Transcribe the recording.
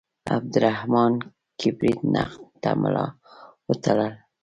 عبدالرحمان کبریت نقد ته ملا وتړله.